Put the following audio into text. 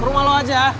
ke rumah lo aja